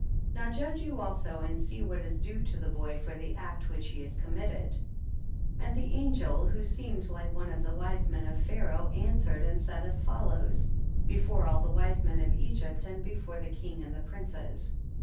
23. Now judge you also and see what is due to the boy for the act which he has committed. 24. And the angel, who seemed like one of the wise men of Pharaoh, answered and said as follows, before all the wise men of Egypt and be fore the king and the princes.